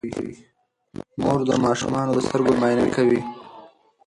مور د ماشومانو د سترګو معاینه کوي.